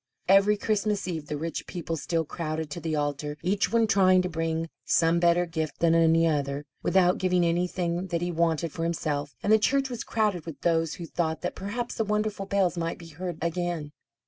Every Christmas Eve the rich people still crowded to the altar, each one trying to bring some better gift than any other, without giving anything that he wanted for himself, and the church was crowded with those who thought that perhaps the wonderful bells might be heard again.